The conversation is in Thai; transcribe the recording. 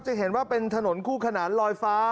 จะเห็นว่าเป็นถนนคู่ขนานลอยฟ้า